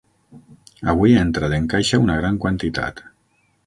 Avui ha entrat en caixa una gran quantitat.